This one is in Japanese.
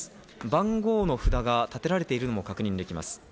番号の札が立てられているのが確認できます。